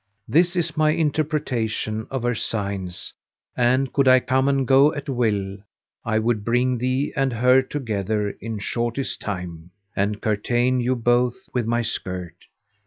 This is my interpretation of her signs and, could I come and go at Will, I would bring thee and her together in shortest time, and curtain you both with my skirt."